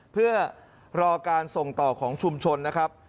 เพื่อรอการส่งต่อของชุมชนนะครับ